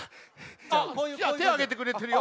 あってあげてくれてるよ。